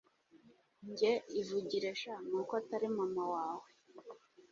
Njye ivugire sha nuko atari mama wawe